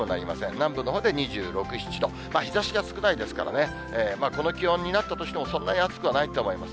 南部のほうで２６、７度、日ざしが少ないですからね、この気温になったとしても、そんなに暑くはないと思います。